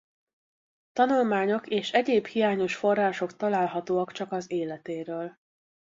Tanulmányok és egyéb hiányos források találhatóak csak az életéről.